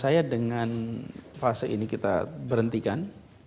saya dengan fase ini kita berhentikan